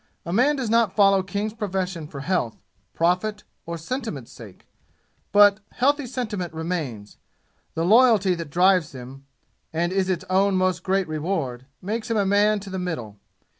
A man does not follow King's profession for health, profit or sentiment's sake, but healthy sentiment remains. The loyalty that drives him, and is its own most great reward, makes him a man to the middle.